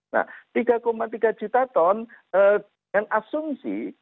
nah tiga tiga juta ton dengan asumsi